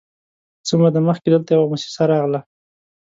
_څه موده مخکې دلته يوه موسسه راغله،